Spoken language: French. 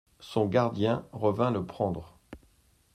Son gardien revint le prendre.